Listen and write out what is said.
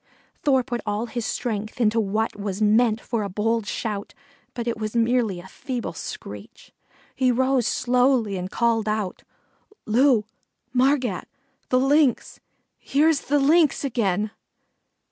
Thor put all his strength into what was meant for a bold shout, but it was merely a feeble screech. He rose slowly and called out: "Loo, Margat! The Lynx here's the Lynx again!"